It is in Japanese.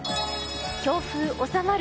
強風収まる。